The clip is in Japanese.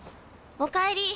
お帰り。